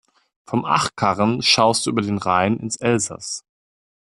Vom Achkarren schaust du über den Rhein ins Elsaß.